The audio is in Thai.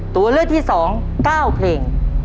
ตัวเลือกที่๒๙เพลง